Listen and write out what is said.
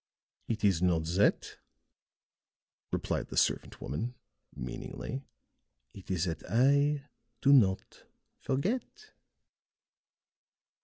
"It is not that," replied the servant woman, meaningly. "It is that I do not forget."